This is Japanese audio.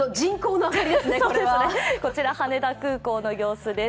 こちら羽で空港の様子です。